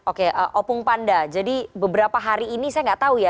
oke opung panda jadi beberapa hari ini saya nggak tahu ya